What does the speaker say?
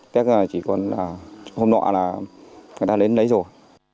test là chỉ còn là hôm nọ là người ta đến lấy rồi